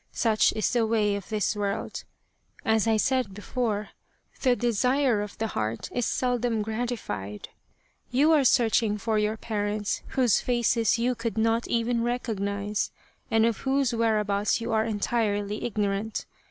Such is the way of this world. As I said before, the desire of the heart is seldom gratified. You are searching for your parents whose faces you could not even recognize, and of whose whereabouts you are entirely ignorant.